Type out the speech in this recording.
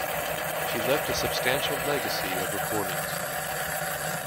She left a substantial legacy of recordings.